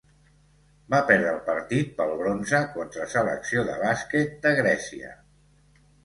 Va perdre el partit pel bronze contra Selecció de bàsquet de Grècia.